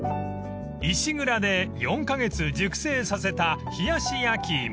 ［石蔵で４カ月熟成させた冷し焼いも］